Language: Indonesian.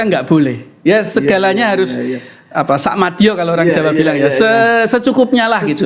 nggak boleh ya segalanya harus apa sakmadio kalau orang jawa bilang ya secukupnya lah gitu